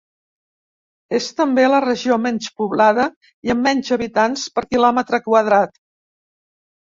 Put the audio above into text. És també la regió menys poblada i amb menys habitants per quilòmetre quadrat.